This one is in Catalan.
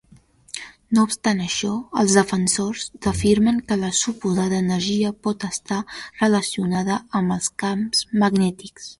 No obstant això, els defensors afirmen que la suposada energia pot estar relacionada amb els camps magnètics.